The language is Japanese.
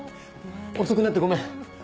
遅くなってごめん。